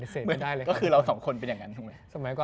เจ้าคุมค่ะสมัยค่ะ